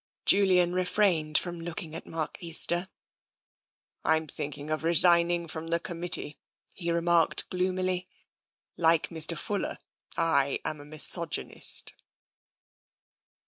Julian refrained from looking at Mark Easter. " I am thinking of resigning from the committee," he remarked gloomily. "Like Mr. Fuller, I am a misogynist."